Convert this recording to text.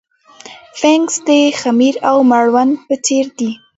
فنګس د خمیر او مړوند په څېر دي.